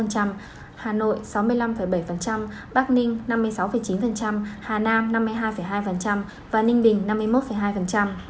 hà nội sáu mươi năm bảy bắc ninh năm mươi sáu chín hà nam năm mươi hai hai và ninh bình năm mươi một hai